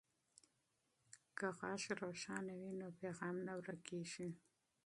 که غږ روښانه وي نو پیغام نه ورکیږي.